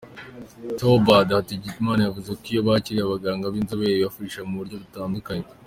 Théobald Hategekimana, yavuze ko iyo bakiriye abaganga b’inzobere, bibafasha mu buryo butandukanye.